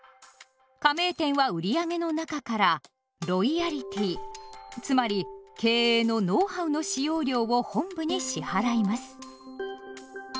加盟店は売り上げの中から「ロイヤリティ」つまり経営のノウハウの使用料を本部に支払います。